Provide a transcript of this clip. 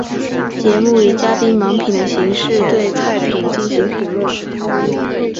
节目以嘉宾盲品的形式对菜品进行评论。